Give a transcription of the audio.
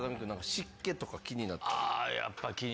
湿気とか気になったり。